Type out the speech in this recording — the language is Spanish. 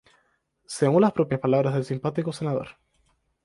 Según las propias palabras del simpático senador